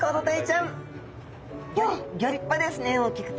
ギョ立派ですね大きくて。